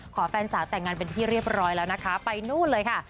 แฟนสาวแต่งงานเป็นที่เรียบร้อยแล้วนะคะไปนู่นเลยค่ะ